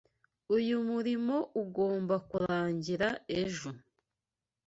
Uyu murimo ugomba kurangira ejo.